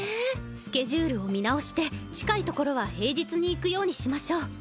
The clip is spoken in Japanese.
スケジュールを見直して近い所は平日に行くようにしましょう。